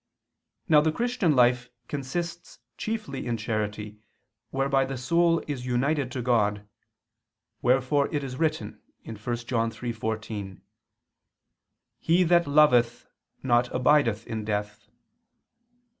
Now the Christian life consists chiefly in charity whereby the soul is united to God; wherefore it is written (1 John 3:14): "He that loveth not abideth in death."